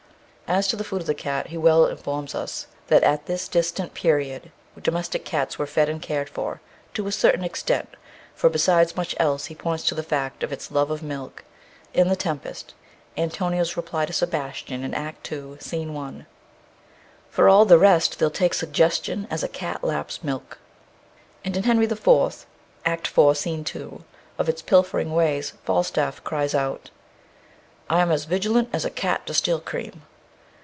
As to the food of the cat, he well informs us that at this distant period domestic cats were fed and cared for to a certain extent, for besides much else, he points to the fact of its love of milk in The Tempest, Antonio's reply to Sebastian in Act II., Scene 1: For all the rest, They'll take suggestion as a cat laps milk. And in King Henry the Fourth, Act IV., Scene 2, of its pilfering ways, Falstaff cries out: I am as vigilant as a cat to steal cream.